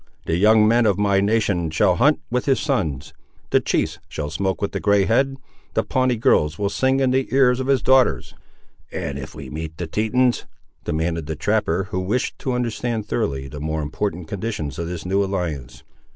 The young men of my nation shall hunt with his sons; the chiefs shall smoke with the grey head. The Pawnee girls will sing in the ears of his daughters." "And if we meet the Tetons?" demanded the trapper, who wished to understand, thoroughly, the more important conditions of this new alliance.